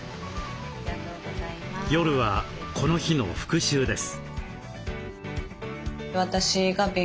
夜はこの日の復習です。